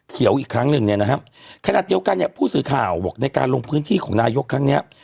อีกครั้งหนึ่งเนี่ยนะครับขนาดเดียวกันเนี่ยผู้สื่อข่าวบอกในการลงพื้นที่ของนายกครั้งเนี้ย